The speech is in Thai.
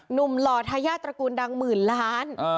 หล่อทายาทตระกูลดังหมื่นล้าน